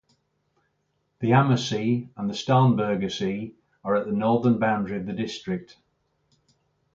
The "Ammersee" and the "Starnberger See" are at the northern boundary of the district.